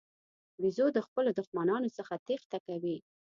بیزو د خپلو دښمنانو څخه تېښته کوي.